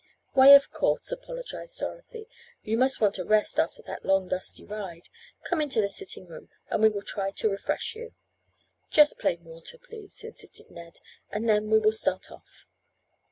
"Why, of course," apologized Dorothy, "you must want a rest after that long dusty ride. Come into the sitting room, and we will try to refresh you." "Just plain water, please," insisted Ned, "and then we will start off."